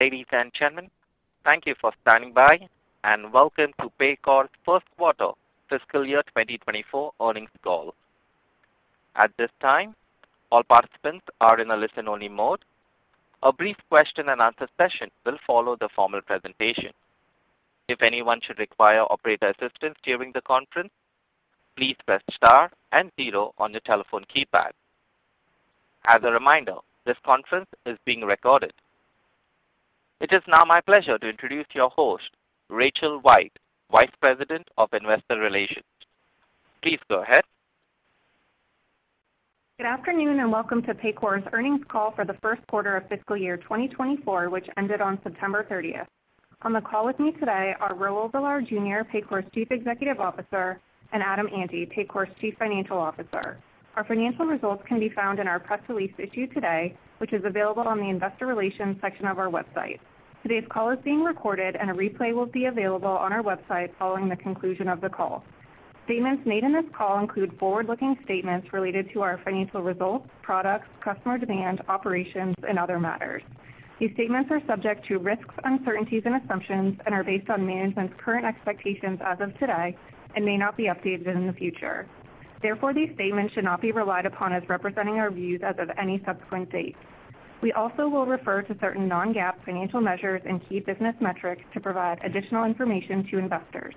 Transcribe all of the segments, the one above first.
Ladies and gentlemen, thank you for standing by, and welcome to Paycor's first quarter fiscal year 2024 earnings call. At this time, all participants are in a listen-only mode. A brief question and answer session will follow the formal presentation. If anyone should require operator assistance during the conference, please press star and zero on your telephone keypad. As a reminder, this conference is being recorded. It is now my pleasure to introduce your host, Rachel White, Vice President of Investor Relations. Please go ahead. Good afternoon, and welcome to Paycor's earnings call for the first quarter of fiscal year 2024, which ended on September thirtieth. On the call with me today are Raul Villar Jr., Paycor's Chief Executive Officer, and Adam Ante, Paycor's Chief Financial Officer. Our financial results can be found in our press release issued today, which is available on the investor relations section of our website. Today's call is being recorded, and a replay will be available on our website following the conclusion of the call. Statements made in this call include forward-looking statements related to our financial results, products, customer demand, operations, and other matters. These statements are subject to risks, uncertainties, and assumptions and are based on management's current expectations as of today and may not be updated in the future. Therefore, these statements should not be relied upon as representing our views as of any subsequent date. We also will refer to certain non-GAAP financial measures and key business metrics to provide additional information to investors.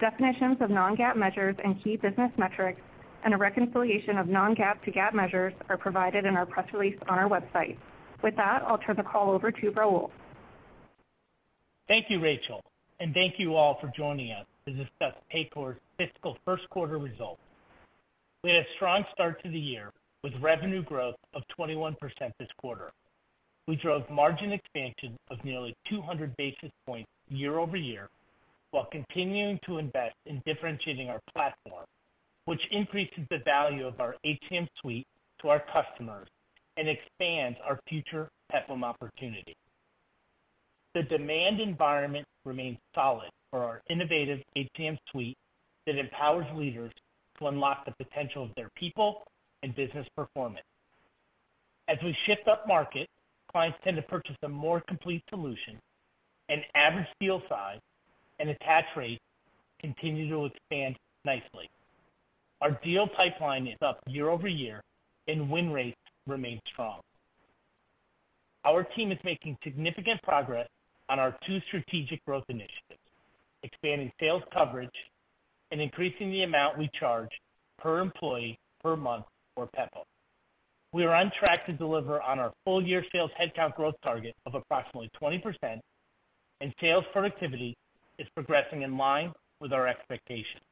Definitions of non-GAAP measures and key business metrics and a reconciliation of non-GAAP to GAAP measures are provided in our press release on our website. With that, I'll turn the call over to Raul. Thank you, Rachel, and thank you all for joining us to discuss Paycor's fiscal first quarter results. We had a strong start to the year with revenue growth of 21% this quarter. We drove margin expansion of nearly 200 basis points year-over-year, while continuing to invest in differentiating our platform, which increases the value of our HCM suite to our customers and expands our future PEPM opportunity. The demand environment remains solid for our innovative HCM suite that empowers leaders to unlock the potential of their people and business performance. As we shift up market, clients tend to purchase a more complete solution, and average deal size and attach rate continue to expand nicely. Our deal pipeline is up year-over-year, and win rates remain strong. Our team is making significant progress on our two strategic growth initiatives: expanding sales coverage and increasing the amount we charge per employee per month for PEPM. We are on track to deliver on our full-year sales headcount growth target of approximately 20%, and sales productivity is progressing in line with our expectations.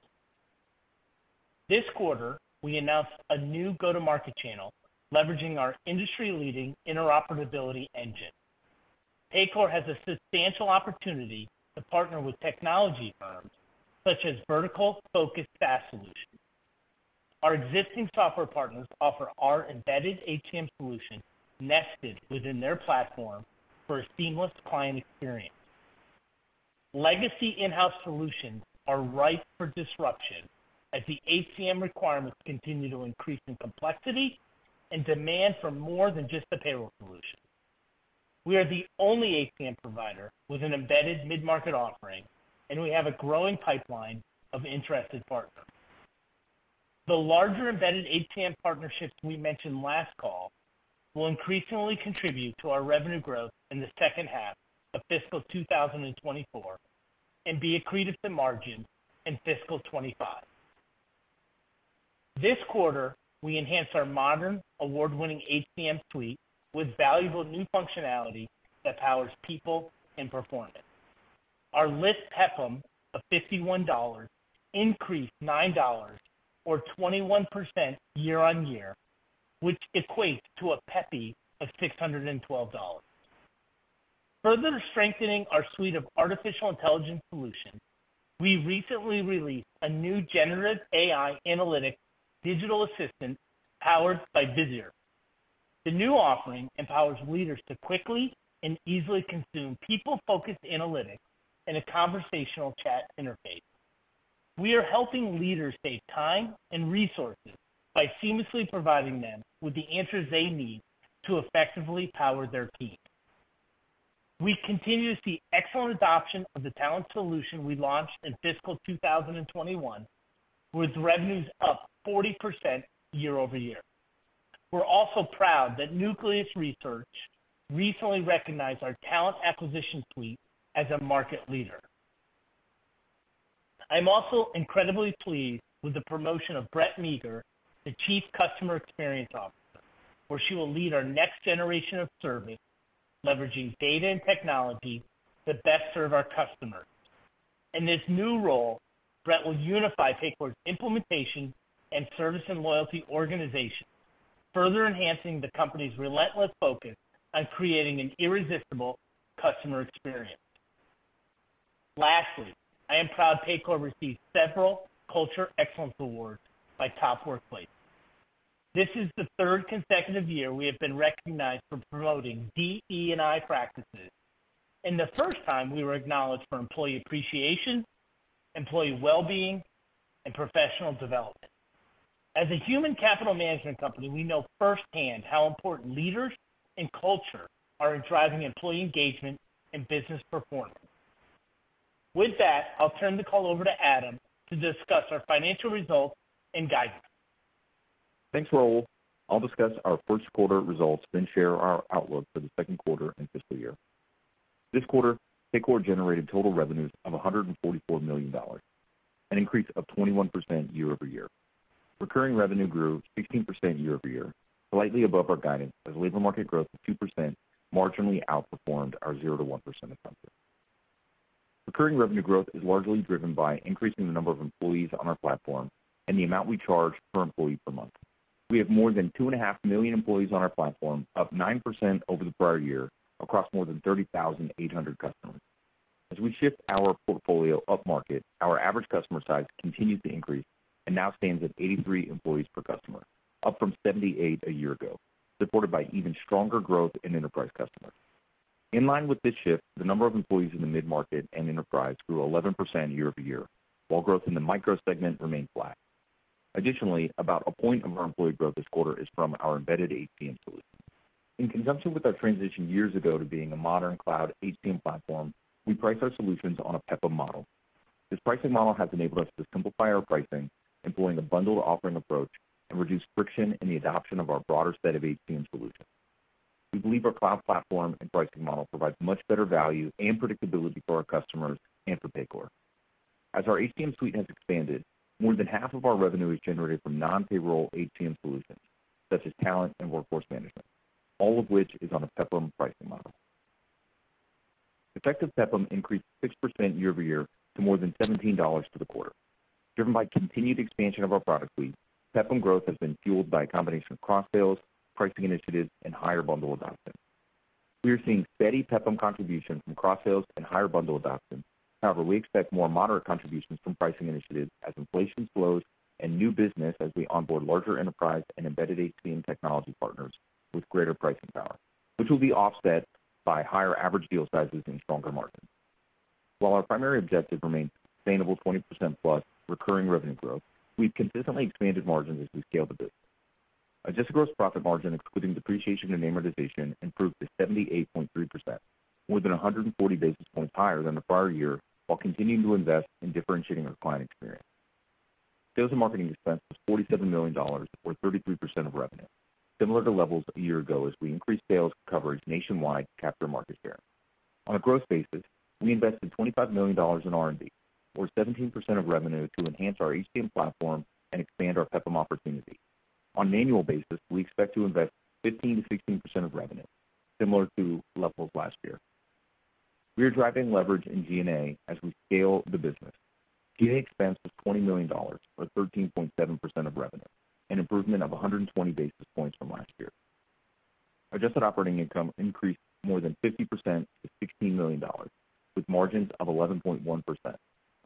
This quarter, we announced a new go-to-market channel, leveraging our industry-leading interoperability engine. Paycor has a substantial opportunity to partner with technology firms, such as vertical-focused SaaS solutions. Our existing software partners offer our embedded HCM solution nested within their platform for a seamless client experience. Legacy in-house solutions are ripe for disruption, as the HCM requirements continue to increase in complexity and demand for more than just a payroll solution. We are the only HCM provider with an embedded mid-market offering, and we have a growing pipeline of interested partners. The larger embedded HCM partnerships we mentioned last call will increasingly contribute to our revenue growth in the second half of fiscal 2024 and be accretive to margin in fiscal 2025. This quarter, we enhanced our modern, award-winning HCM suite with valuable new functionality that powers people and performance. Our list PEPM of $51 increased $9 or 21% year-on-year, which equates to a PEPY of $612. Further strengthening our suite of artificial intelligence solutions, we recently released a new generative AI analytics digital assistant powered by Visier. The new offering empowers leaders to quickly and easily consume people-focused analytics in a conversational chat interface. We are helping leaders save time and resources by seamlessly providing them with the answers they need to effectively power their team. We continue to see excellent adoption of the talent solution we launched in fiscal 2021, with revenues up 40% year-over-year. We're also proud that Nucleus Research recently recognized our talent acquisition suite as a market leader. I'm also incredibly pleased with the promotion of Brett Meagher to Chief Customer Experience Officer, where she will lead our next generation of serving, leveraging data and technology to best serve our customers. In this new role, Brett will unify Paycor's implementation and service and loyalty organization, further enhancing the company's relentless focus on creating an irresistible customer experience. Lastly, I am proud Paycor received several Culture Excellence Awards by Top Workplaces. This is the third consecutive year we have been recognized for promoting DE&I practices, and the first time we were acknowledged for employee appreciation, employee well-being, and professional development.... As a human capital management company, we know firsthand how important leaders and culture are in driving employee engagement and business performance. With that, I'll turn the call over to Adam to discuss our financial results and guidance. Thanks, Raul. I'll discuss our first quarter results, then share our outlook for the second quarter and fiscal year. This quarter, Paycor generated total revenues of $144 million, an increase of 21% year-over-year. Recurring revenue grew 16% year-over-year, slightly above our guidance, as labor market growth of 2% marginally outperformed our 0%-1% assumption. Recurring revenue growth is largely driven by increasing the number of employees on our platform and the amount we charge per employee per month. We have more than 2.5 million employees on our platform, up 9% over the prior year, across more than 30,800 customers. As we shift our portfolio upmarket, our average customer size continues to increase and now stands at 83 employees per customer, up from 78 a year ago, supported by even stronger growth in enterprise customers. In line with this shift, the number of employees in the mid-market and enterprise grew 11% year-over-year, while growth in the micro segment remained flat. Additionally, about a point of our employee growth this quarter is from our Embedded HCM solution. In conjunction with our transition years ago to being a modern cloud HCM platform, we price our solutions on a PEPM model. This pricing model has enabled us to simplify our pricing, employing a bundled offering approach, and reduce friction in the adoption of our broader set of HCM solutions. We believe our cloud platform and pricing model provides much better value and predictability for our customers and for Paycor. As our HCM suite has expanded, more than half of our revenue is generated from non-payroll HCM solutions, such as talent and workforce management, all of which is on a PEPM pricing model. Effective PEPM increased 6% year-over-year to more than $17 for the quarter. Driven by continued expansion of our product suite, PEPM growth has been fueled by a combination of cross-sales, pricing initiatives, and higher bundle adoption. We are seeing steady PEPM contribution from cross-sales and higher bundle adoption. However, we expect more moderate contributions from pricing initiatives as inflation slows and new business as we onboard larger enterprise and embedded HCM technology partners with greater pricing power, which will be offset by higher average deal sizes and stronger margins. While our primary objective remains sustainable 20%+ recurring revenue growth, we've consistently expanded margins as we scale the business. Adjusted gross profit margin, excluding depreciation and amortization, improved to 78.3%, more than 140 basis points higher than the prior year, while continuing to invest in differentiating our client experience. Sales and marketing expense was $47 million, or 33% of revenue, similar to levels a year ago as we increased sales coverage nationwide to capture market share. On a growth basis, we invested $25 million in R&D, or 17% of revenue, to enhance our HCM platform and expand our PEPM opportunity. On an annual basis, we expect to invest 15%-16% of revenue, similar to levels last year. We are driving leverage in G&A as we scale the business. G&A expense was $20 million, or 13.7% of revenue, an improvement of 120 basis points from last year. Adjusted operating income increased more than 50% to $16 million, with margins of 11.1%,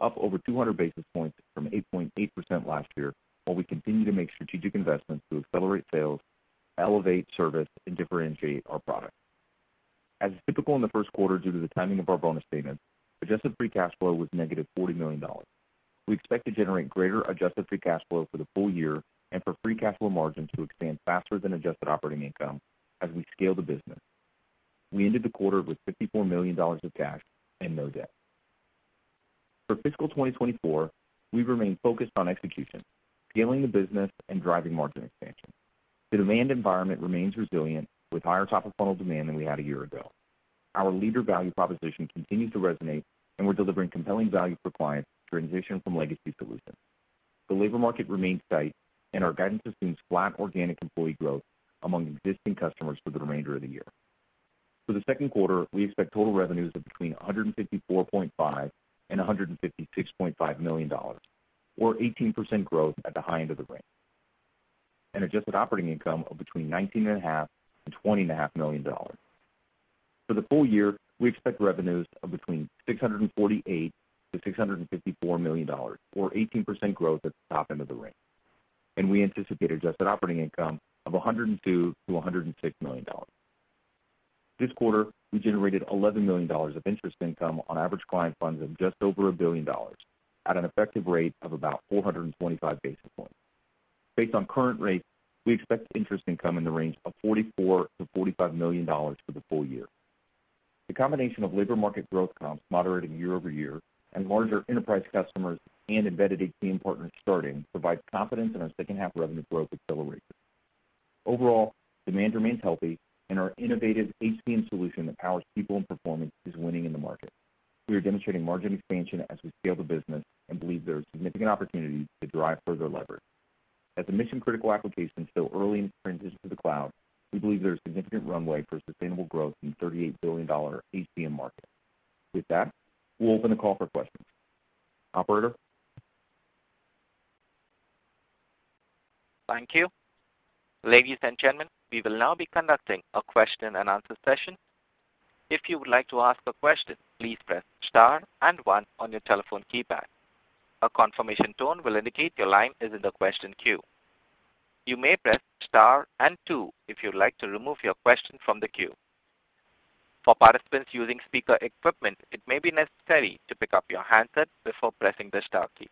up over 200 basis points from 8.8% last year, while we continue to make strategic investments to accelerate sales, elevate service and differentiate our product. As is typical in the first quarter, due to the timing of our bonus payments, adjusted free cash flow was -$40 million. We expect to generate greater adjusted free cash flow for the full year and for free cash flow margins to expand faster than adjusted operating income as we scale the business. We ended the quarter with $54 million of cash and no debt. For fiscal 2024, we remain focused on execution, scaling the business and driving margin expansion. The demand environment remains resilient, with higher top-of-funnel demand than we had a year ago. Our leader value proposition continues to resonate, and we're delivering compelling value for clients transitioning from legacy solutions. The labor market remains tight, and our guidance assumes flat organic employee growth among existing customers for the remainder of the year. For the second quarter, we expect total revenues of between $154.5 million and $156.5 million, or 18% growth at the high end of the range, and adjusted operating income of between $19.5 million and $20.5 million. For the full year, we expect revenues of between $648 million and $654 million, or 18% growth at the top end of the range, and we anticipate adjusted operating income of $102 million-$106 million. This quarter, we generated $11 million of interest income on average client funds of just over $1 billion at an effective rate of about 425 basis points. Based on current rates, we expect interest income in the range of $44 million-$45 million for the full year. The combination of labor market growth comps moderating year-over-year and larger enterprise customers and Embedded HCM partners starting provides confidence in our second half revenue growth accelerated. Overall, demand remains healthy, and our innovative HCM solution that powers people and performance is winning in the market. We are demonstrating margin expansion as we scale the business and believe there are significant opportunities to derive further leverage. As a mission-critical application still early in transition to the cloud, we believe there is significant runway for sustainable growth in the $38 billion HCM market. With that, we'll open the call for questions. Operator? Thank you. Ladies and gentlemen, we will now be conducting a question and answer session. If you would like to ask a question, please press Star and One on your telephone keypad. A confirmation tone will indicate your line is in the question queue. You may press Star and Two if you'd like to remove your question from the queue.... For participants using speaker equipment, it may be necessary to pick up your handset before pressing the star key.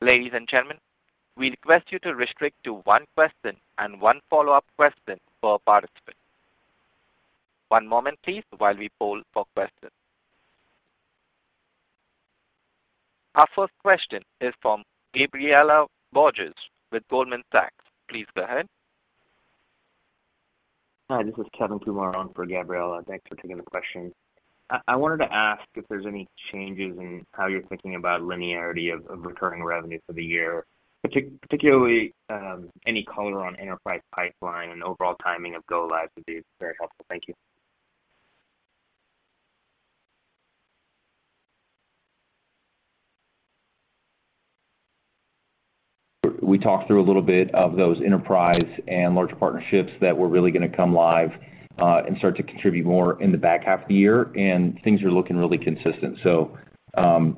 Ladies and gentlemen, we request you to restrict to one question and one follow-up question per participant. One moment, please, while we poll for questions. Our first question is from Gabriela Borges with Goldman Sachs. Please go ahead. Hi, this is Kevin Kumar on for Gabriela. Thanks for taking the question. I, I wanted to ask if there's any changes in how you're thinking about linearity of, of recurring revenue for the year, particularly, any color on enterprise pipeline and overall timing of go lives would be very helpful. Thank you. We talked through a little bit of those enterprise and larger partnerships that were really gonna come live, and start to contribute more in the back half of the year, and things are looking really consistent. So,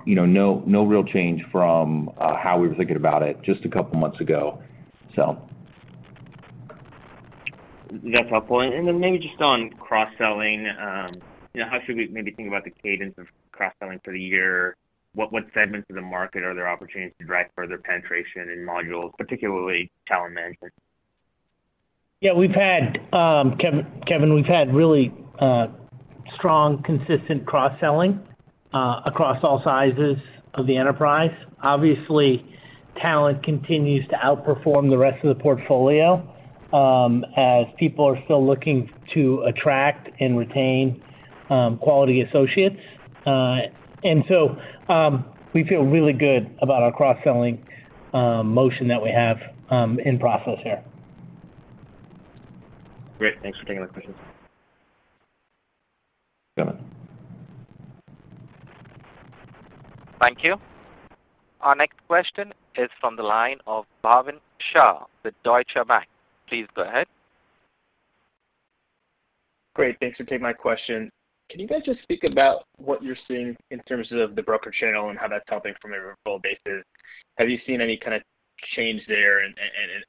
you know, no, no real change from how we were thinking about it just a couple of months ago, so. That's helpful. Then maybe just on cross-selling, you know, how should we maybe think about the cadence of cross-selling for the year? What segments of the market are there opportunities to drive further penetration in modules, particularly talent management? Yeah, we've had, Kevin, Kevin, we've had really strong, consistent cross-selling across all sizes of the enterprise. Obviously, talent continues to outperform the rest of the portfolio, as people are still looking to attract and retain quality associates. And so, we feel really good about our cross-selling motion that we have in process here. Great. Thanks for taking my question. Kevin. Thank you. Our next question is from the line of Bhavin Shah with Deutsche Bank. Please go ahead. Great. Thanks for taking my question. Can you guys just speak about what you're seeing in terms of the broker channel and how that's helping from a referral basis? Have you seen any kind of change there and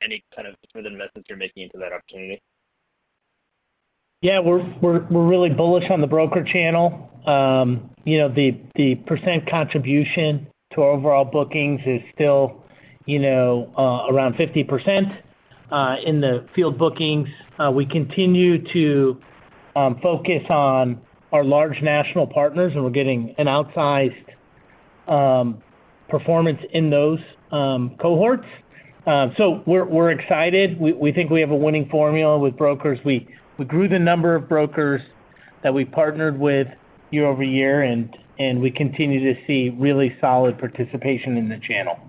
any kind of further investments you're making into that opportunity? Yeah, we're really bullish on the broker channel. You know, the percent contribution to our overall bookings is still, you know, around 50%, in the field bookings. We continue to focus on our large national partners, and we're getting an outsized performance in those cohorts. So we're excited. We think we have a winning formula with brokers. We grew the number of brokers that we partnered with year-over-year, and we continue to see really solid participation in the channel.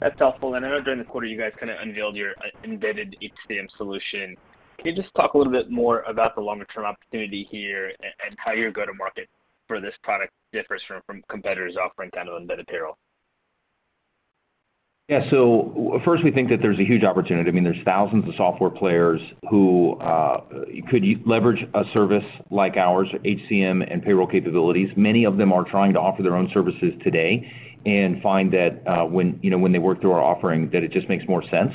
That's helpful. And I know during the quarter, you guys kind of unveiled your Embedded HCM solution. Can you just talk a little bit more about the longer-term opportunity here and how your go-to-market for this product differs from competitors offering kind of embedded payroll? Yeah. So first, we think that there's a huge opportunity. I mean, there's thousands of software players who could leverage a service like ours, HCM and payroll capabilities. Many of them are trying to offer their own services today and find that, when, you know, when they work through our offering, that it just makes more sense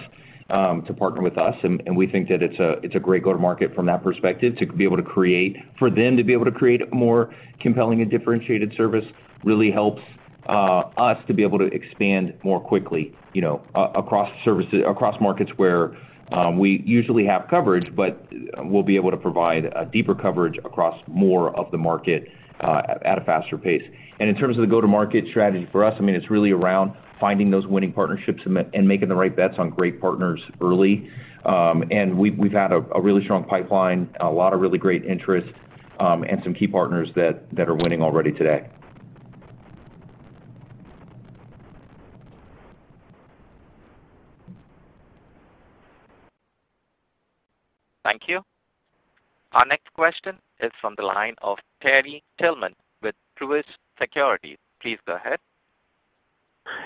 to partner with us. And we think that it's a great go-to-market from that perspective, to be able to create for them to be able to create a more compelling and differentiated service, really helps us to be able to expand more quickly, you know, across services across markets where we usually have coverage, but we'll be able to provide a deeper coverage across more of the market at a faster pace. In terms of the go-to-market strategy for us, I mean, it's really around finding those winning partnerships and making the right bets on great partners early. And we've had a really strong pipeline, a lot of really great interest, and some key partners that are winning already today. Thank you. Our next question is from the line of Terry Tillman with Truist Securities. Please go ahead.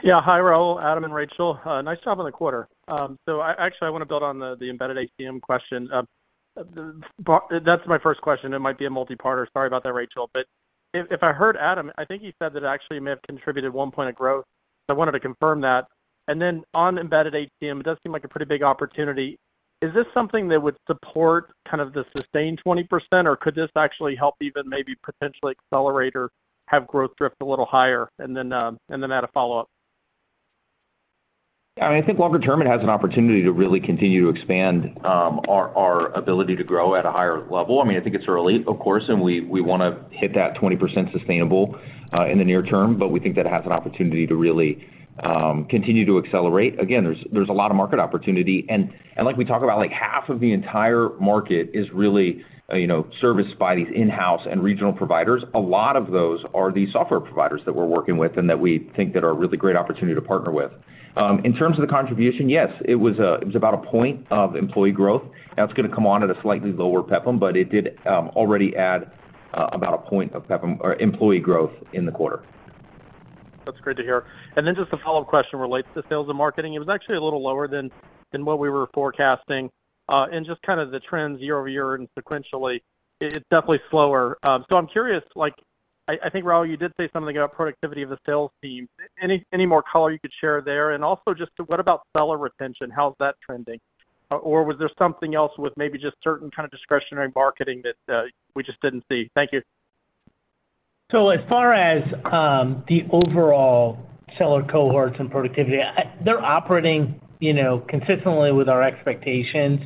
Yeah. Hi, Raul, Adam, and Rachel. Nice job on the quarter. So actually, I want to build on the, the embedded HCM question. That's my first question. It might be a multi-parter. Sorry about that, Rachel. But if, if I heard Adam, I think he said that it actually may have contributed one point of growth. I wanted to confirm that. And then on embedded HCM, it does seem like a pretty big opportunity. Is this something that would support kind of the sustained 20%, or could this actually help even maybe potentially accelerate or have growth drift a little higher? And then, and then add a follow-up. I think longer term, it has an opportunity to really continue to expand our ability to grow at a higher level. I mean, I think it's early, of course, and we wanna hit that 20% sustainable in the near term, but we think that it has an opportunity to really continue to accelerate. Again, there's a lot of market opportunity, and like we talk about, like, half of the entire market is really, you know, serviced by these in-house and regional providers. A lot of those are the software providers that we're working with and that we think that are a really great opportunity to partner with. In terms of the contribution, yes, it was—it was about a point of employee growth. That's gonna come on at a slightly lower PEPM, but it did already add about a point of PEPM or employee growth in the quarter. That's great to hear. And then just a follow-up question relates to sales and marketing. It was actually a little lower than what we were forecasting, and just kind of the trends year over year and sequentially, it's definitely slower. So I'm curious, like-... I think, Raul, you did say something about productivity of the sales team. Any more color you could share there? And also just what about seller retention, how's that trending? Or was there something else with maybe just certain kind of discretionary marketing that we just didn't see? Thank you. So as far as the overall seller cohorts and productivity, they're operating, you know, consistently with our expectations.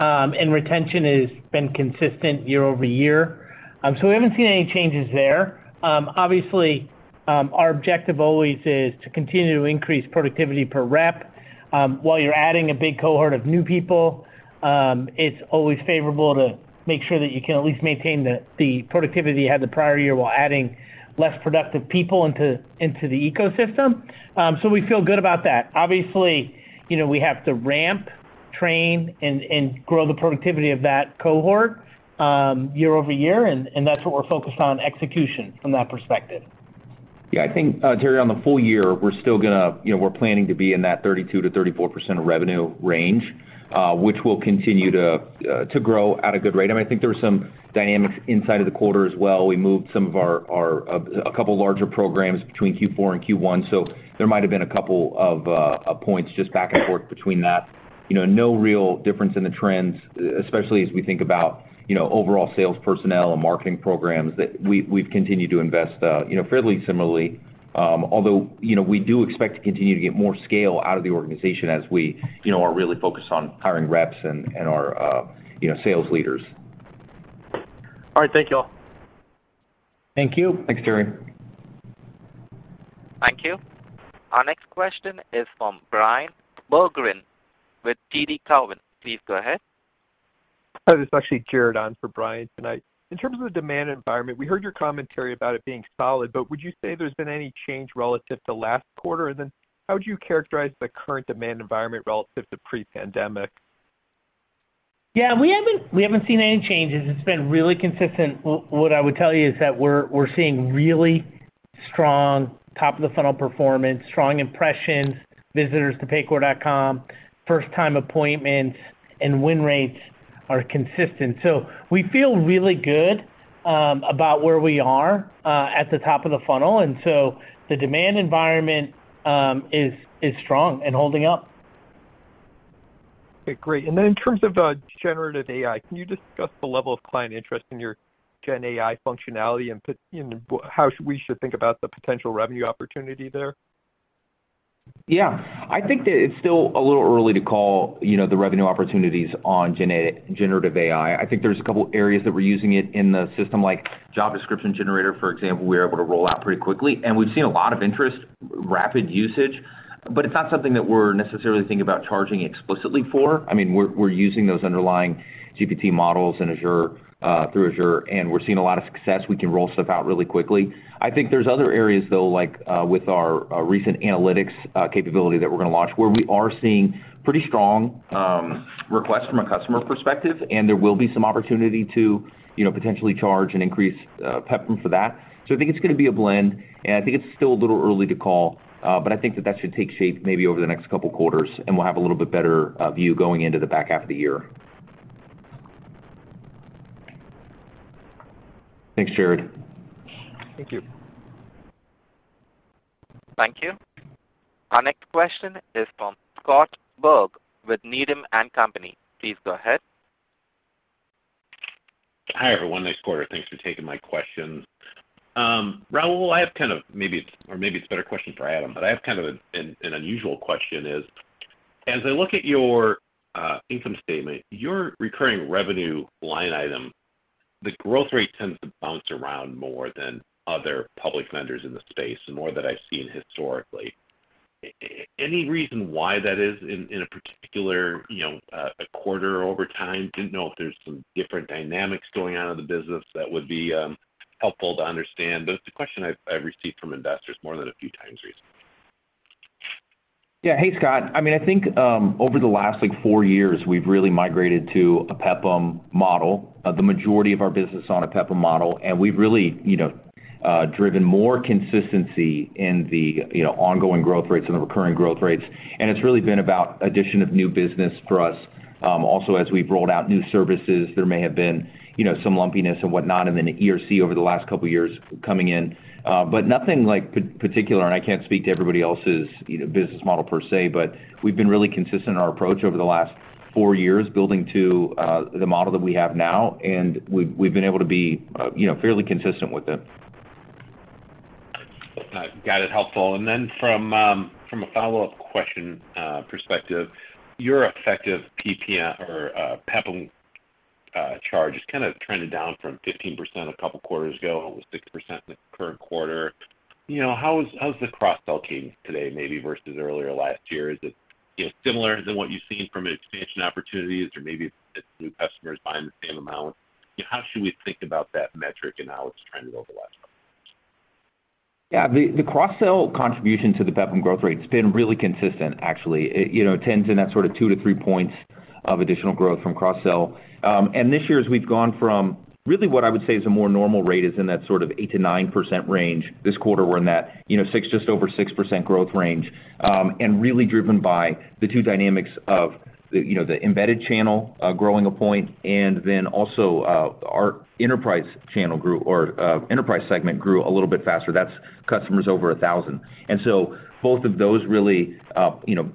Retention is been consistent year over year. We haven't seen any changes there. Obviously, our objective always is to continue to increase productivity per rep. While you're adding a big cohort of new people, it's always favorable to make sure that you can at least maintain the productivity you had the prior year, while adding less productive people into the ecosystem. We feel good about that. Obviously, you know, we have to ramp, train, and grow the productivity of that cohort year over year, and that's what we're focused on, execution from that perspective. Yeah, I think, Terry, on the full year, we're still gonna... You know, we're planning to be in that 32%-34% revenue range, which will continue to grow at a good rate. I mean, I think there were some dynamics inside of the quarter as well. We moved some of our, a couple larger programs between Q4 and Q1, so there might have been a couple of points just back and forth between that. You know, no real difference in the trends, especially as we think about, you know, overall sales personnel and marketing programs, that we, we've continued to invest, you know, fairly similarly. Although, you know, we do expect to continue to get more scale out of the organization as we, you know, are really focused on hiring reps and, and our, you know, sales leaders. All right. Thank you all. Thank you. Thanks, Terry. Thank you. Our next question is from Bryan Bergin with TD Cowen. Please go ahead. Hi, this is actually Jared on for Bryan tonight. In terms of the demand environment, we heard your commentary about it being solid, but would you say there's been any change relative to last quarter? And then how would you characterize the current demand environment relative to pre-pandemic? Yeah, we haven't seen any changes. It's been really consistent. What I would tell you is that we're seeing really strong top-of-the-funnel performance, strong impressions, visitors to Paycor.com, first-time appointments, and win rates are consistent. So we feel really good about where we are at the top of the funnel, and so the demand environment is strong and holding up. Okay, great. And then in terms of generative AI, can you discuss the level of client interest in your gen AI functionality, and how we should think about the potential revenue opportunity there? Yeah. I think that it's still a little early to call, you know, the revenue opportunities on Generative AI. I think there's a couple areas that we're using it in the system, like job description generator, for example, we were able to roll out pretty quickly. And we've seen a lot of interest, rapid usage, but it's not something that we're necessarily thinking about charging explicitly for. I mean, we're using those underlying GPT models in Azure through Azure, and we're seeing a lot of success. We can roll stuff out really quickly. I think there's other areas, though, like with our recent analytics capability that we're gonna launch, where we are seeing pretty strong requests from a customer perspective, and there will be some opportunity to, you know, potentially charge and increase PEP for that. So I think it's gonna be a blend, and I think it's still a little early to call, but I think that that should take shape maybe over the next couple quarters, and we'll have a little bit better view going into the back half of the year. Thanks, Jared. Thank you. Thank you. Our next question is from Scott Berg with Needham and Company. Please go ahead. Hi, everyone. Nice quarter. Thanks for taking my questions. Raul, I have kind of... Maybe it's, or maybe it's a better question for Adam, but I have kind of an unusual question is: as I look at your income statement, your recurring revenue line item, the growth rate tends to bounce around more than other public vendors in the space and more than I've seen historically. Any reason why that is in a particular, you know, a quarter over time? Didn't know if there's some different dynamics going on in the business that would be helpful to understand. But it's a question I've received from investors more than a few times recently. Yeah. Hey, Scott. I mean, I think over the last, like, four years, we've really migrated to a PEPM model, the majority of our business on a PEPM model, and we've really, you know, driven more consistency in the, you know, ongoing growth rates and the recurring growth rates, and it's really been about addition of new business for us. Also, as we've rolled out new services, there may have been, you know, some lumpiness and whatnot, and then the ERC over the last couple of years coming in, but nothing like particular, and I can't speak to everybody else's, you know, business model per se, but we've been really consistent in our approach over the last four years, building to the model that we have now, and we've been able to be, you know, fairly consistent with it. Got it. Helpful. And then from a follow-up question perspective, your effective PPM or PEPM charge is kind of trending down from 15% a couple quarters ago, almost 6% in the current quarter. You know, how is- how's the cross-sell team today, maybe versus earlier last year? Is it, you know, similar than what you've seen from an expansion opportunities, or maybe it's new customers buying the same amount? You know, how should we think about that metric and how it's trended over the last couple years? Yeah, the cross-sell contribution to the PEPM growth rate's been really consistent, actually. It, you know, tends in that sort of 2-3 points of additional growth from cross-sell. And this year, as we've gone from really what I would say is a more normal rate, is in that sort of 8%-9% range. This quarter, we're in that, you know, just over 6% growth range, and really driven by the two dynamics of the, you know, the embedded channel growing a point, and then also our enterprise channel grew, enterprise segment grew a little bit faster. That's customers over 1,000. Both of those really, you know,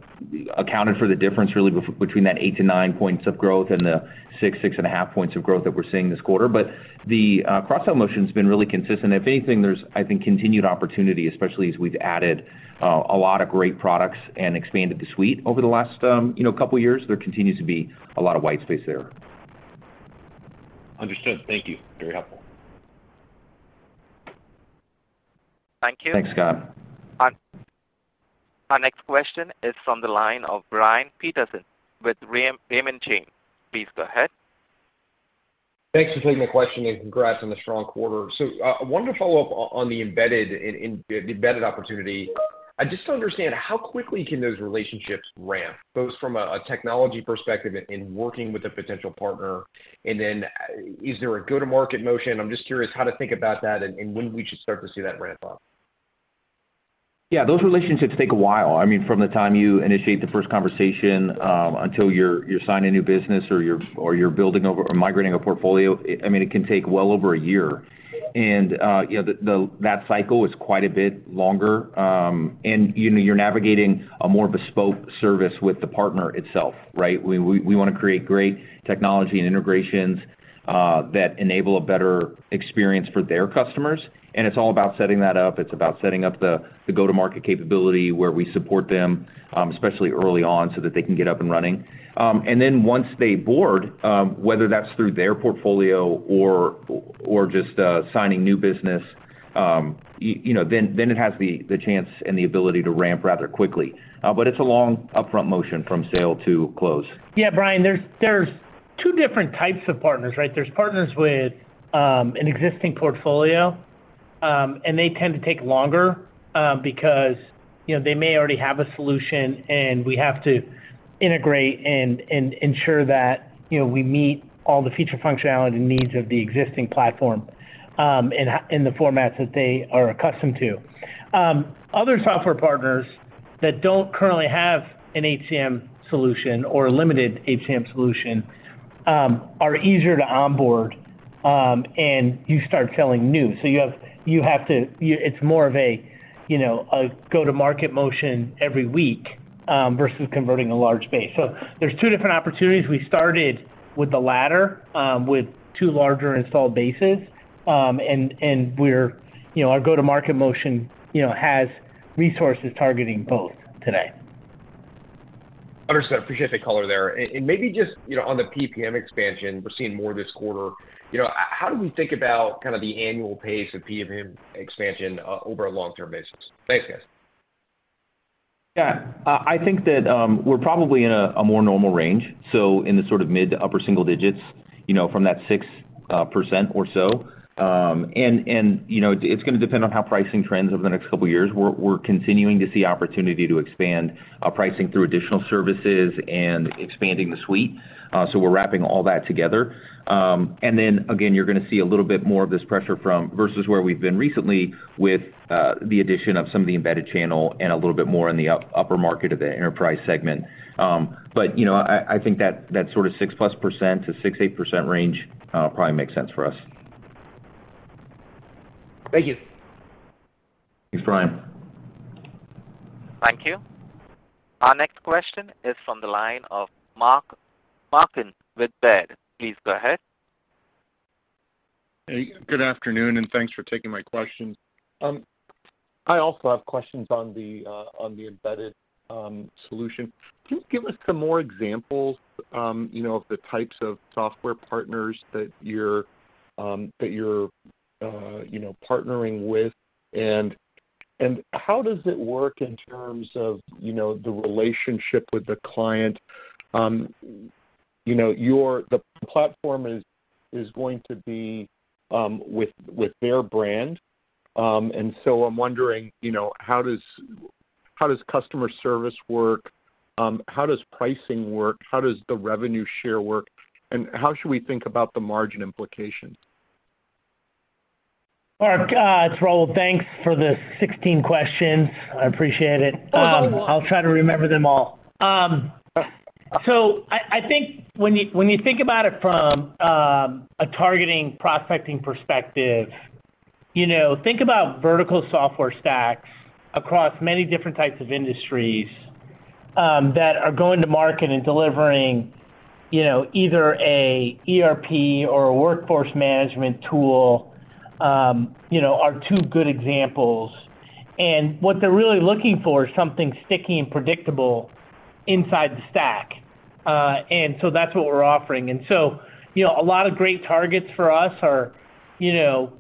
accounted for the difference really between that 8-9 points of growth and the 6-6.5 points of growth that we're seeing this quarter. But the cross-sell motion's been really consistent. If anything, there's, I think, continued opportunity, especially as we've added a lot of great products and expanded the suite over the last, you know, couple of years. There continues to be a lot of white space there. Understood. Thank you. Very helpful. Thank you. Thanks, Scott. Our next question is from the line of Brian Peterson with Raymond James. Please go ahead. Thanks for taking the question, and congrats on the strong quarter. So, I wanted to follow up on the embedded opportunity. I just don't understand how quickly can those relationships ramp, both from a technology perspective in working with a potential partner, and then, is there a go-to-market motion? I'm just curious how to think about that and when we should start to see that ramp up. Yeah, those relationships take a while. I mean, from the time you initiate the first conversation until you're signing new business or building over or migrating a portfolio, it—I mean, it can take well over a year. And you know, that cycle is quite a bit longer, and you know, you're navigating a more bespoke service with the partner itself, right? We wanna create great technology and integrations that enable a better experience for their customers, and it's all about setting that up. It's about setting up the go-to-market capability, where we support them, especially early on, so that they can get up and running. And then once they board, whether that's through their portfolio or just signing new business, you know, then it has the chance and the ability to ramp rather quickly. But it's a long upfront motion from sale to close. Yeah, Brian, there's two different types of partners, right? There's partners with an existing portfolio, and they tend to take longer, because, you know, they may already have a solution, and we have to integrate and ensure that, you know, we meet all the feature functionality needs of the existing platform, in the formats that they are accustomed to. Other software partners that don't currently have an HCM solution or a limited HCM solution are easier to onboard, and you start selling new. So you have to, it's more of a, you know, a go-to-market motion every week, versus converting a large base. So there's two different opportunities. We started with the latter, with two larger installed bases. And we're, you know, our go-to-market motion, you know, has resources targeting both today. Understood. Appreciate the color there. And, maybe just, you know, on the PPM expansion, we're seeing more this quarter. You know, how do we think about kind of the annual pace of PPM expansion over a long-term basis? Thanks, guys. Yeah. I think that, we're probably in a more normal range, so in the sort of mid to upper single digits, you know, from that 6% or so. And you know, it's gonna depend on how pricing trends over the next couple of years. We're continuing to see opportunity to expand our pricing through additional services and expanding the suite. So we're wrapping all that together. And then again, you're gonna see a little bit more of this pressure from versus where we've been recently with the addition of some of the embedded channel and a little bit more in the upper market of the enterprise segment. But you know, I think that that sort of 6%+ to 6%-8% range probably makes sense for us. Thank you. Thanks, Brian. Thank you. Our next question is from the line of Mark Marcon with Baird. Please go ahead. Hey, good afternoon, and thanks for taking my question. I also have questions on the embedded solution. Can you give us some more examples, you know, of the types of software partners that you're, you know, partnering with? And how does it work in terms of, you know, the relationship with the client? You know, your, the platform is going to be with their brand. And so I'm wondering, you know, how does customer service work? How does pricing work? How does the revenue share work? And how should we think about the margin implications? Mark, it's Raul. Thanks for the 16 questions. I appreciate it. Oh, you're welcome. I'll try to remember them all. So I think when you think about it from a targeting, prospecting perspective, you know, think about vertical software stacks across many different types of industries that are going to market and delivering, you know, either a ERP or a workforce management tool, you know, are two good examples. What they're really looking for is something sticky and predictable inside the stack, and so that's what we're offering. So, you know, a lot of great targets for us are, you know,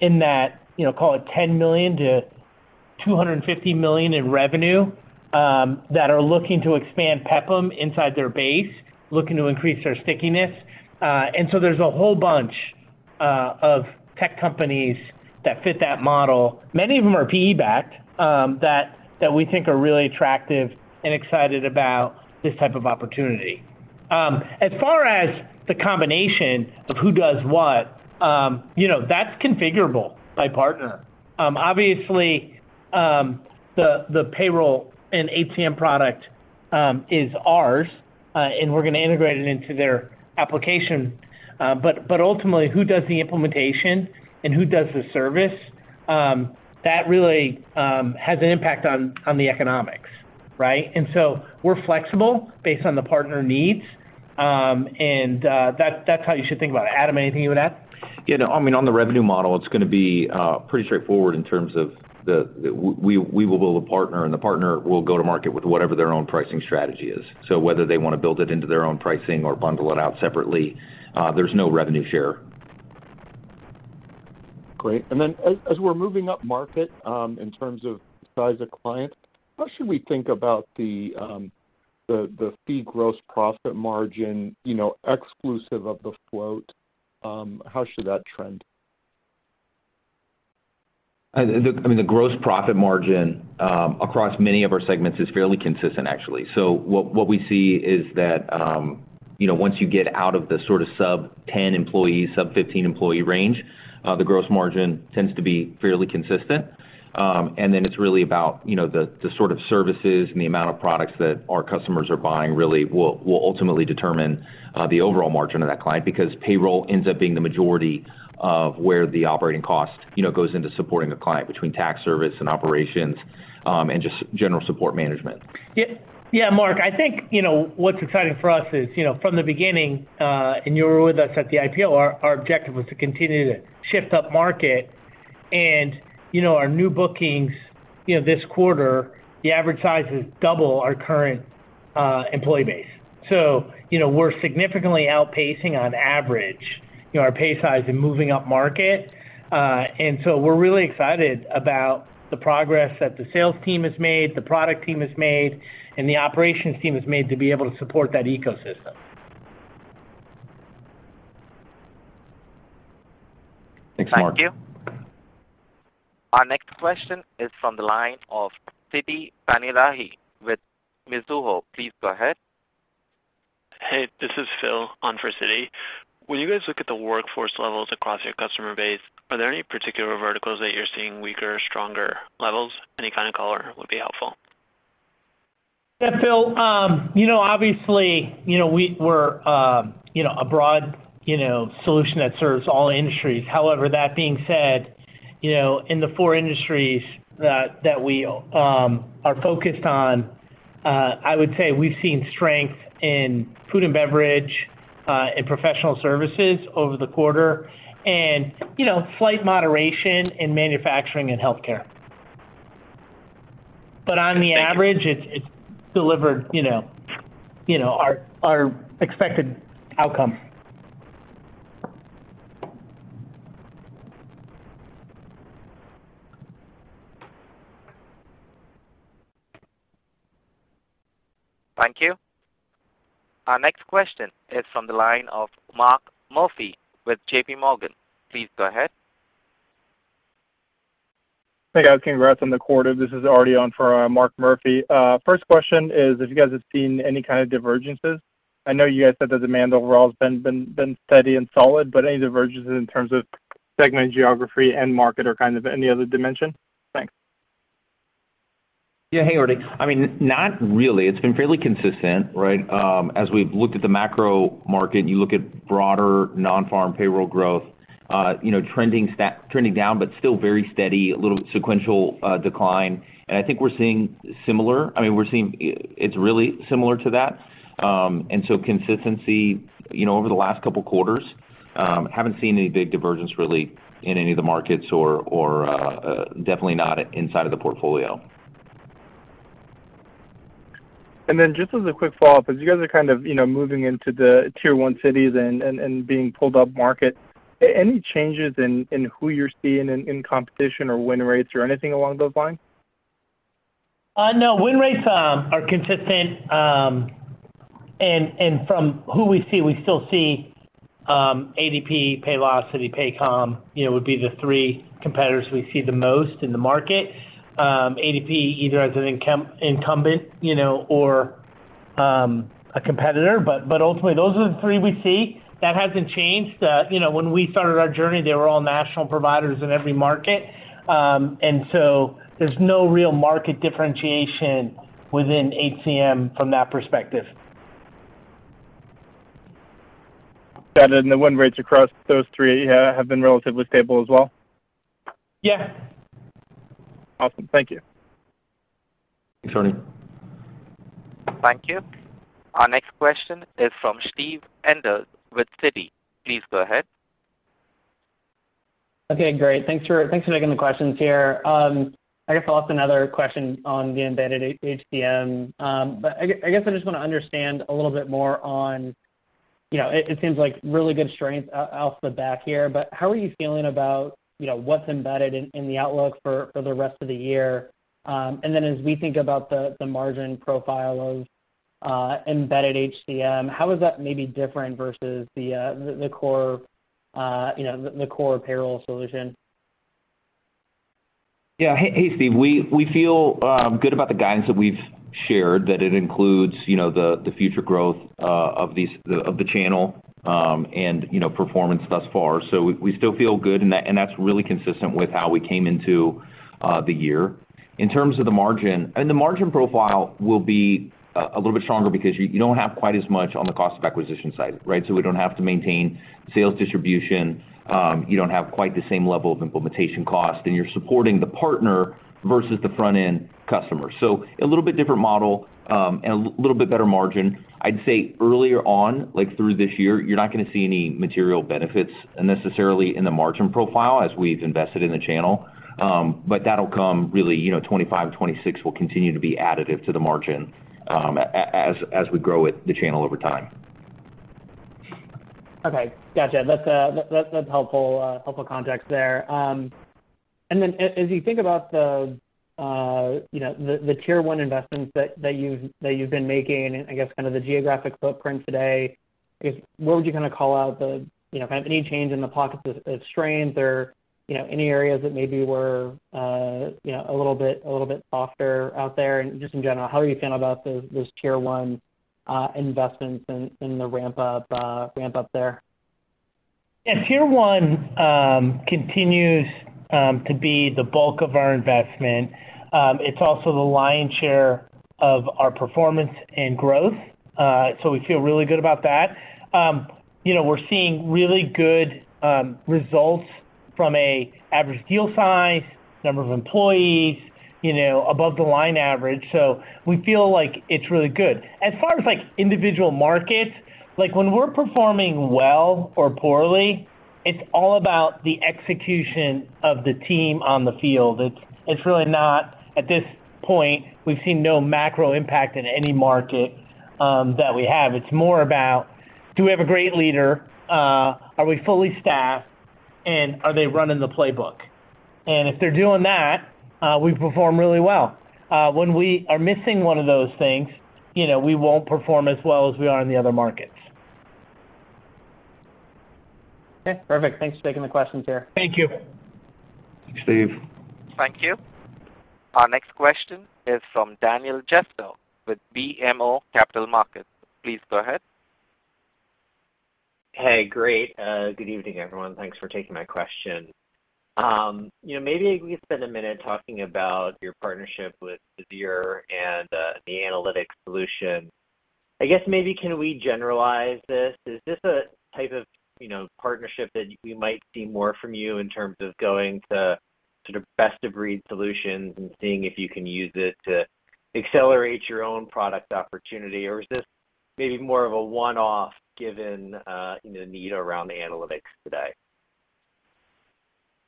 in that, you know, call it $10 million-$250 million in revenue that are looking to expand PEPM inside their base, looking to increase their stickiness. And so there's a whole bunch.... Of tech companies that fit that model, many of them are PE-backed, that we think are really attractive and excited about this type of opportunity. As far as the combination of who does what, you know, that's configurable by partner. Obviously, the payroll and HCM product is ours, and we're going to integrate it into their application. But ultimately, who does the implementation and who does the service, that really has an impact on the economics, right? And so we're flexible based on the partner needs. And that's how you should think about it. Adam, anything you would add? Yeah, I mean, on the revenue model, it's going to be pretty straightforward in terms of the way we will build a partner, and the partner will go to market with whatever their own pricing strategy is. So whether they want to build it into their own pricing or bundle it out separately, there's no revenue share. Great. And then as we're moving up market, in terms of size of client, how should we think about the fee gross profit margin, you know, exclusive of the float? How should that trend? I mean, the gross profit margin across many of our segments is fairly consistent, actually. So what we see is that, you know, once you get out of the sort of sub-10 employee, sub-15 employee range, the gross margin tends to be fairly consistent. And then it's really about, you know, the sort of services and the amount of products that our customers are buying really will ultimately determine the overall margin of that client. Because payroll ends up being the majority of where the operating cost, you know, goes into supporting the client between tax service and operations, and just general support management. Yeah, yeah, Mark, I think, you know, what's exciting for us is, you know, from the beginning, and you were with us at the IPO, our, our objective was to continue to shift up market. And, you know, our new bookings, you know, this quarter, the average size is double our current employee base. So, you know, we're significantly outpacing on average, you know, our pay size and moving up market. And so we're really excited about the progress that the sales team has made, the product team has made, and the operations team has made to be able to support that ecosystem. Thanks, Mark. Thank you. Our next question is from the line of Siti Panigrahi with Mizuho. Please go ahead. Hey, this is Phil on for Siti. When you guys look at the workforce levels across your customer base, are there any particular verticals that you're seeing weaker or stronger levels? Any kind of color would be helpful. Yeah, Phil, you know, obviously, you know, we're, you know, a broad, you know, solution that serves all industries. However, that being said, you know, in the four industries that we are focused on, I would say we've seen strength in food and beverage and professional services over the quarter, and, you know, slight moderation in manufacturing and healthcare. But on the average, it's delivered, you know, you know, our, our expected outcome. Thank you. Our next question is from the line of Mark Murphy with JPMorgan. Please go ahead. Hey, guys. Congrats on the quarter. This is Arti on for Mark Murphy. First question is, if you guys have seen any kind of divergences? I know you guys said the demand overall has been steady and solid, but any divergences in terms of segment, geography, end market, or kind of any other dimension? Thanks. Yeah, hey, Arti. I mean, not really. It's been fairly consistent, right? As we've looked at the macro market, and you look at broader non-farm payroll growth, you know, trending down, but still very steady, a little sequential decline. And I think we're seeing similar. I mean, we're seeing, it's really similar to that. And so consistency, you know, over the last couple of quarters, haven't seen any big divergence really in any of the markets or, definitely not inside of the portfolio. Then, just as a quick follow-up, as you guys are kind of, you know, moving into the tier one cities and being pulled up market, any changes in who you're seeing in competition or win rates or anything along those lines? No. Win rates are consistent. And from who we see, we still see ADP, Paylocity, Paycom, you know, would be the three competitors we see the most in the market. ADP, either as an incumbent, you know, or a competitor, but ultimately, those are the three we see. That hasn't changed. You know, when we started our journey, they were all national providers in every market. And so there's no real market differentiation within HCM from that perspective. Got it, and the win rates across those three, have been relatively stable as well? Yeah. Awesome. Thank you. Thanks, Arti. Thank you. Our next question is from Steve Enders with Citi. Please go ahead. Okay, great. Thanks for taking the questions here. I guess I'll ask another question on the Embedded HCM. But I guess I just want to understand a little bit more on, you know, it seems like really good strength off the back here, but how are you feeling about, you know, what's embedded in the outlook for the rest of the year? And then as we think about the margin profile of Embedded HCM, how is that maybe different versus the core, you know, the core payroll solution? Yeah. Hey, hey, Steve. We feel good about the guidance that we've shared, that it includes, you know, the future growth of these- of the channel, and, you know, performance thus far. So we still feel good, and that's really consistent with how we came into the year. In terms of the margin, and the margin profile will be a little bit stronger because you don't have quite as much on the cost of acquisition side, right? So we don't have to maintain sales distribution, you don't have quite the same level of implementation cost, and you're supporting the partner versus the front-end customer. So a little bit different model, and a little bit better margin. I'd say earlier on, like through this year, you're not gonna see any material benefits necessarily in the margin profile as we've invested in the channel. But that'll come really, you know, 2025, 2026 will continue to be additive to the margin, as we grow it, the channel over time. Okay, gotcha. That's, that's helpful, helpful context there. And then as you think about the, you know, the, the Tier one investments that, that you've, that you've been making, and I guess, kind of the geographic footprint today, I guess, what would you kind of call out the, you know, kind of any change in the pockets of, of strength or, you know, any areas that maybe were, you know, a little bit, a little bit softer out there? And just in general, how are you feeling about those, those Tier one, investments in, in the ramp up, ramp up there? Yeah, Tier one continues to be the bulk of our investment. It's also the lion's share of our performance and growth, so we feel really good about that. You know, we're seeing really good results from an average deal size, number of employees, you know, above the line average. So we feel like it's really good. As far as, like, individual markets, like, when we're performing well or poorly, it's all about the execution of the team on the field. It's really not... At this point, we've seen no macro impact in any market that we have. It's more about, do we have a great leader? Are we fully staffed, and are they running the playbook? And if they're doing that, we perform really well. When we are missing one of those things, you know, we won't perform as well as we are in the other markets. Okay, perfect. Thanks for taking the questions here. Thank you. Thanks, Steve. Thank you. Our next question is from Daniel Jester with BMO Capital Markets. Please go ahead. Hey, great. Good evening, everyone. Thanks for taking my question. You know, maybe we could spend a minute talking about your partnership with Visier and the analytics solution. I guess maybe can we generalize this? Is this a type of, you know, partnership that we might see more from you in terms of going to sort of best-of-breed solutions and seeing if you can use it to accelerate your own product opportunity? Or is this maybe more of a one-off, given you know, the need around the analytics today?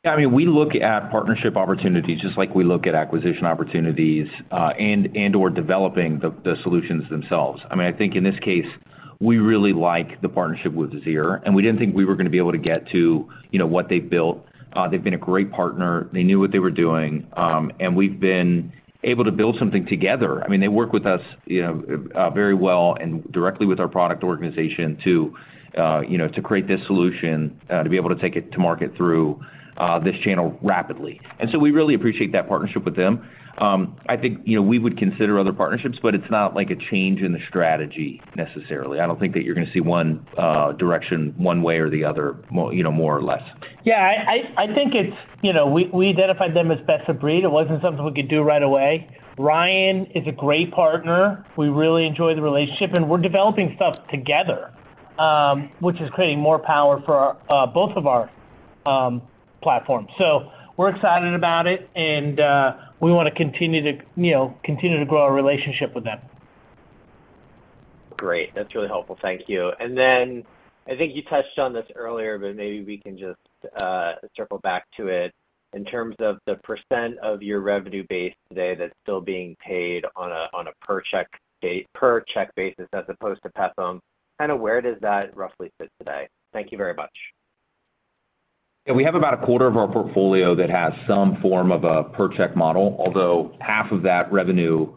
I mean, we look at partnership opportunities just like we look at acquisition opportunities, and/or developing the solutions themselves. I mean, I think in this case, we really like the partnership with Visier, and we didn't think we were gonna be able to get to, you know, what they've built. They've been a great partner. They knew what they were doing, and we've been able to build something together. I mean, they work with us, you know, very well and directly with our product organization to, you know, to create this solution, to be able to take it to market through this channel rapidly. And so we really appreciate that partnership with them. I think, you know, we would consider other partnerships, but it's not like a change in the strategy necessarily. I don't think that you're gonna see one direction, one way or the other, you know, more or less. Yeah, I think it's, you know, we identified them as best of breed. It wasn't something we could do right away. Ryan is a great partner. We really enjoy the relationship, and we're developing stuff together, which is creating more power for both of our platforms. So we're excited about it, and we want to continue to, you know, continue to grow our relationship with them. Great. That's really helpful. Thank you. And then I think you touched on this earlier, but maybe we can just circle back to it. In terms of the percent of your revenue base today that's still being paid on a per check basis as opposed to PEPM, kind of where does that roughly sit today? Thank you very much. Yeah, we have about a quarter of our portfolio that has some form of a per-check model, although half of that revenue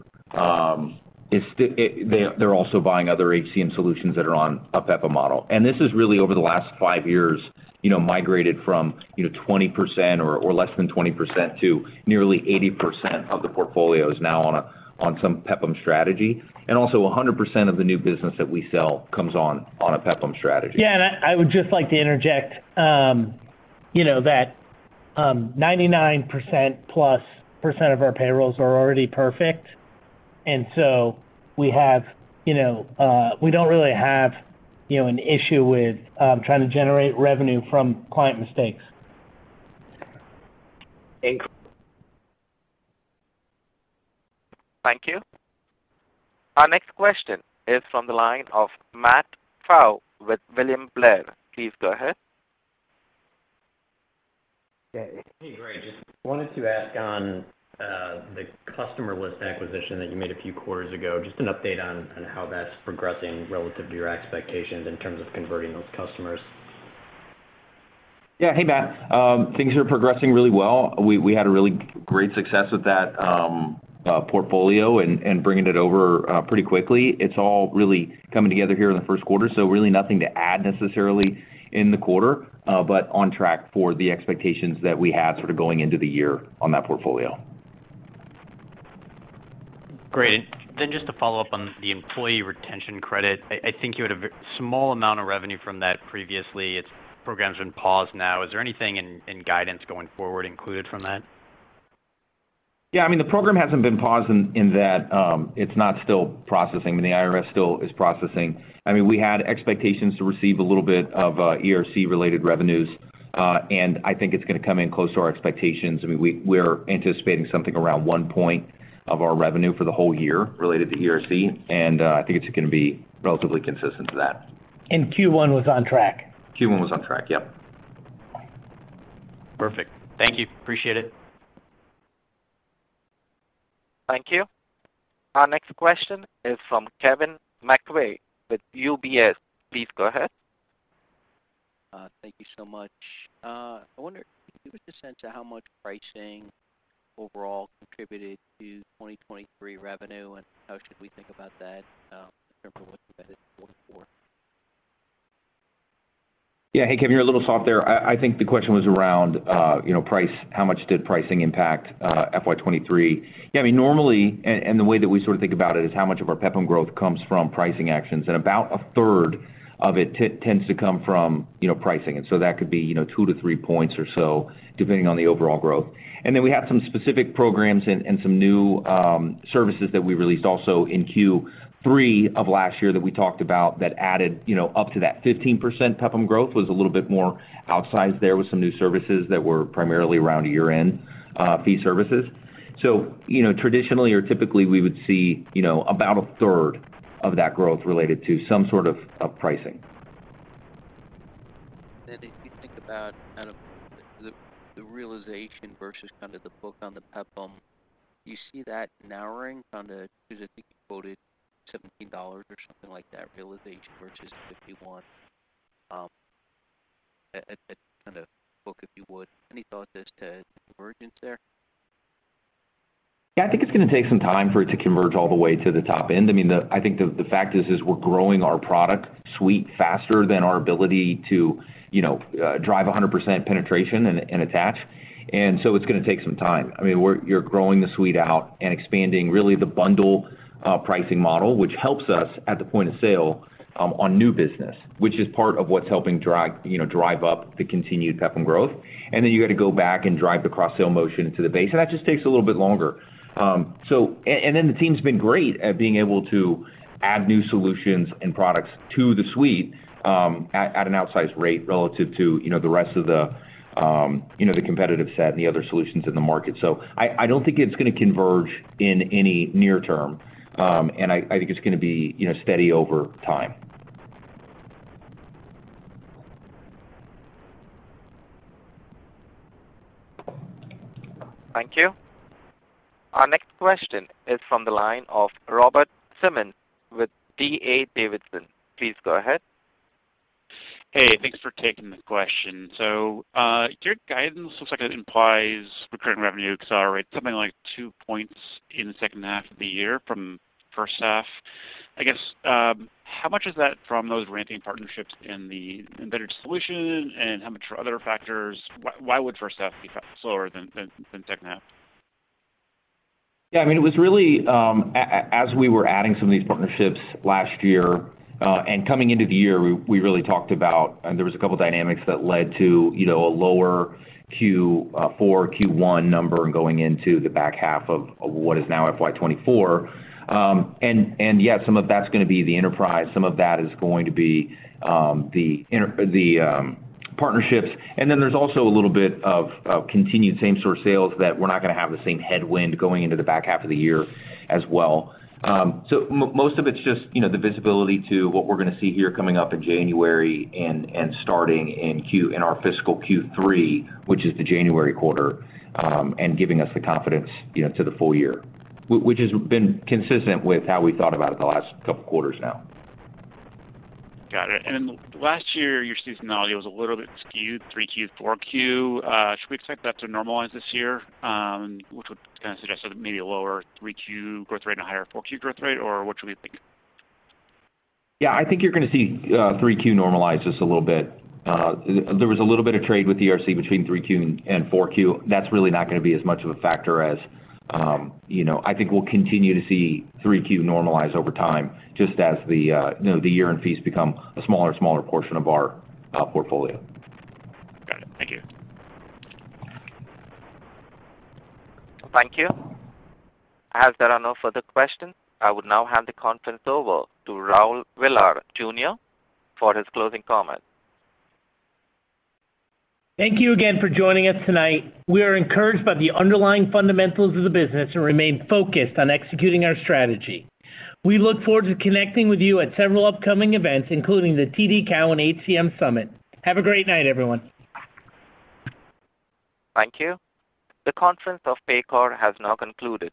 is that they're also buying other HCM solutions that are on a PEPM model. And this is really over the last five years, you know, migrated from, you know, 20% or less than 20% to nearly 80% of the portfolio is now on some PEPM strategy. And also, 100% of the new business that we sell comes on a PEPM strategy. Yeah, and I, I would just like to interject, you know, that 99% plus percent of our payrolls are already perfect, and so we have, you know, we don't really have, you know, an issue with trying to generate revenue from client mistakes. Thanks. Thank you. Our next question is from the line of Matt Pfau with William Blair. Please go ahead. Yeah. Hey, great. Just wanted to ask on the customer list acquisition that you made a few quarters ago, just an update on how that's progressing relative to your expectations in terms of converting those customers?... Yeah. Hey, Matt. Things are progressing really well. We had a really great success with that portfolio and bringing it over pretty quickly. It's all really coming together here in the first quarter, so really nothing to add necessarily in the quarter, but on track for the expectations that we had sort of going into the year on that portfolio. Great. Then just to follow up on the Employee Retention Credit, I think you had a very small amount of revenue from that previously. The program's been paused now. Is there anything in guidance going forward included from that? Yeah, I mean, the program hasn't been paused in, in that, it's not still processing. I mean, the IRS still is processing. I mean, we had expectations to receive a little bit of, ERC-related revenues, and I think it's gonna come in close to our expectations. I mean, we're anticipating something around 1 point of our revenue for the whole year related to ERC, and, I think it's gonna be relatively consistent to that. Q1 was on track? Q1 was on track, yep. Perfect. Thank you. Appreciate it. Thank you. Our next question is from Kevin McVeigh with UBS. Please go ahead. Thank you so much. I wonder, can you give us a sense of how much pricing overall contributed to 2023 revenue, and how should we think about that, in terms of what you guys are looking for? Yeah. Hey, Kevin, you're a little soft there. I think the question was around, you know, price. How much did pricing impact FY 2023? Yeah, I mean, normally, the way that we sort of think about it is how much of our PEPM growth comes from pricing actions, and about a third of it tends to come from, you know, pricing. And so that could be, you know, 2-3 points or so, depending on the overall growth. And then we have some specific programs and some new services that we released also in Q3 of last year that we talked about that added, you know, up to that 15% PEPM growth, was a little bit more outsized there with some new services that were primarily around a year-end fee services. You know, traditionally or typically, we would see, you know, about a third of that growth related to some sort of pricing. Then if you think about kind of the realization versus kind of the book on the PEPM, do you see that narrowing kind of... Because I think you quoted $17 or something like that, realization versus $51, at kind of book, if you would. Any thoughts as to convergence there? Yeah, I think it's gonna take some time for it to converge all the way to the top end. I mean, the fact is, we're growing our product suite faster than our ability to, you know, drive 100% penetration and attach. And so it's gonna take some time. I mean, we're- you're growing the suite out and expanding really the bundle pricing model, which helps us at the point of sale on new business, which is part of what's helping drive, you know, up the continued PEPM growth. And then you got to go back and drive the cross-sell motion into the base, and that just takes a little bit longer. So, and then the team's been great at being able to add new solutions and products to the suite, at an outsized rate relative to, you know, the rest of the, you know, the competitive set and the other solutions in the market. So I don't think it's gonna converge in any near term, and I think it's gonna be, you know, steady over time. Thank you. Our next question is from the line of Robert Simmons with D.A. Davidson. Please go ahead. Hey, thanks for taking the question. So, your guidance looks like it implies recurring revenue accelerate something like 2 points in the second half of the year from first half. I guess, how much is that from those ramping partnerships in the embedded solution, and how much are other factors? Why would first half be slower than second half? Yeah, I mean, it was really, as we were adding some of these partnerships last year, and coming into the year, we really talked about. And there was a couple dynamics that led to, you know, a lower Q4, Q1 number and going into the back half of what is now FY 2024. And yeah, some of that's gonna be the enterprise, some of that is going to be the partnerships. And then there's also a little bit of continued same-store sales that we're not gonna have the same headwind going into the back half of the year as well. So most of it's just, you know, the visibility to what we're gonna see here coming up in January and, and starting in our fiscal Q3, which is the January quarter, and giving us the confidence, you know, to the full year, which has been consistent with how we thought about it the last couple quarters now. Got it. And last year, your seasonality was a little bit skewed, 3Q, 4Q. Should we expect that to normalize this year? Which would kind of suggest that maybe a lower 3Q growth rate and a higher 4Q growth rate, or what should we think? Yeah, I think you're gonna see 3Q normalize just a little bit. There was a little bit of trade with ERC between 3Q and 4Q. That's really not gonna be as much of a factor as you know... I think we'll continue to see 3Q normalize over time, just as the you know, the year-end fees become a smaller and smaller portion of our portfolio. Got it. Thank you. Thank you. As there are no further questions, I would now hand the conference over to Raul Villar Jr. for his closing comments. Thank you again for joining us tonight. We are encouraged by the underlying fundamentals of the business and remain focused on executing our strategy. We look forward to connecting with you at several upcoming events, including the TD Cowen HCM Summit. Have a great night, everyone. Thank you. The conference of Paycor has now concluded.